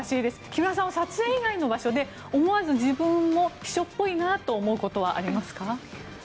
木村さん、撮影以外の場所で思わず、自分も秘書っぽいなと思うことはありますか。